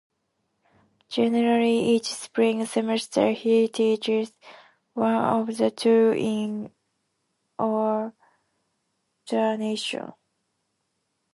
Generally, each spring semester he teaches one of the two in alternation.